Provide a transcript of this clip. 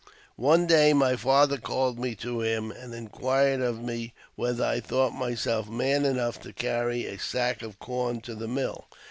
One day my father called me to him, and inquired of me whether I thought myself man enough to carry a sack of corn to the mill.